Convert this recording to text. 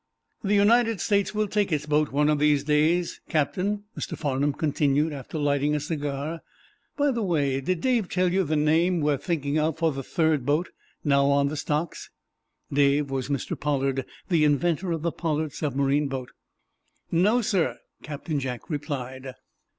"The United States will take its boat one of these days, Captain," Mr. Farnum continued, after lighting a cigar. "By the way, did Dave tell you the name we are thinking of for the third boat, now on the stocks?" "Dave" was Mr. Pollard, the inventor of the Pollard Submarine boat. "No, sir," Captain Jack replied.